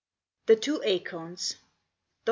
THE TWO ACORNS. DR.